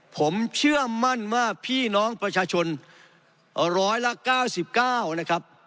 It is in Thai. ผมเชื่อมั่นว่าพี่น้องประชาชนร้อยละ๙๙นะครับ